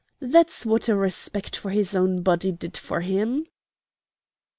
That's what a respect for his own body did for him."